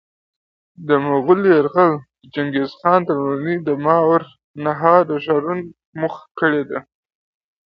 د مغولانو یرغل: چنګیزخان لومړی د ماورالنهر ښارونه موخه کړل.